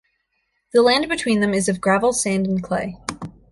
The land between them is of gravel, sand and clay.